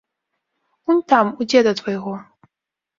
Унь там, у дзеда твайго.